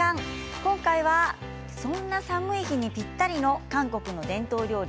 今回は、そんな寒い日にぴったりの韓国の伝統料理